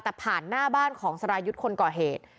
แต่ผ่านหน้าบ้านของสรายุทธ์คนก่อเหตุ